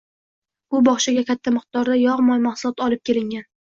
Bu bogʻchaga katta miqdorda yogʻ-moy mahsuloti olib kelingan